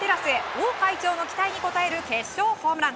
王会長の期待に応える決勝ホームラン！